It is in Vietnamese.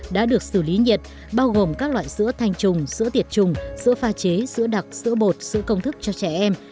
đã được xử lý nhiệt bao gồm các loại sữa thanh trùng sữa tiệt trùng sữa pha chế sữa đặc sữa bột sữa công thức cho trẻ em